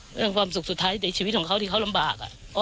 เรื่องความสุขสุดท้ายในชีวิตของเขาที่เขาลำบาก